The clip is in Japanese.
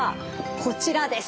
こちらです。